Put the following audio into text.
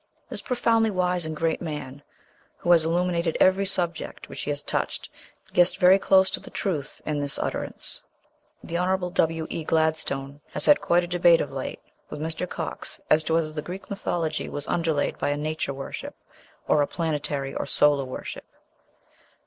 This profoundly wise and great man, who has illuminated every subject which he has touched, guessed very close to the truth in this utterance. The Hon. W. E. Gladstone has had quite a debate of late with Mr. Cox as to whether the Greek mythology was underlaid by a nature worship, or a planetary or solar worship.